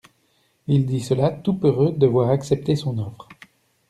Il dit cela tout peureux de voir acceptée son offre.